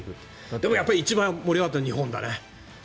でも一番盛り上がっているのは日本だね。